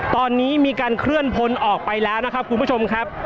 ตอนนี้มีการเคลื่อนพลออกไปแล้วนะครับคุณผู้ชมครับ